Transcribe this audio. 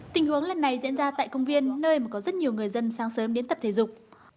tình huống lần này diễn ra tại công viên nơi mà có rất nhiều người dân sáng sớm đến tập thể dục